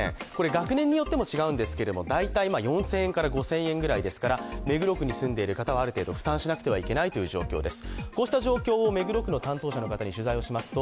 学年によっても違うんですけれども、大体４０００円から５０００円くらいですから目黒区に住んでいる方はある程度負担しなくてはいけないという状況です。